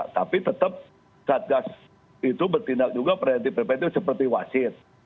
tapi tetap satgas itu bertindak juga preventif preventif seperti wasit